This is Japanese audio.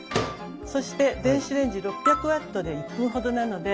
そして電子レンジ６００ワットで１分ほどなので。